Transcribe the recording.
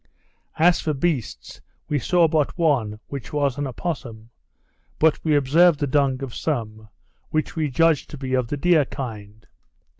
As for beasts, we saw but one, which was an opossom; but we observed the dung of some, which we judged to be of the deer kind.